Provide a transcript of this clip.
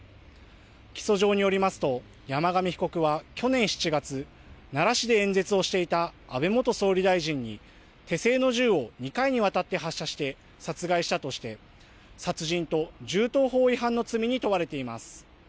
起訴状によりますと山上被告は去年７月、奈良市で演説をしていた安倍元総理大臣に手製の銃を２回にわたって発射して殺害したとして殺人と銃刀法違反の罪に問われています。